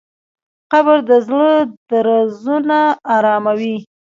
قبر د زړه درزونه اراموي.